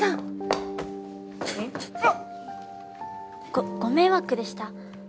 ごご迷惑でした？